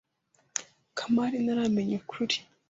Kamari ntaramenya ukuri.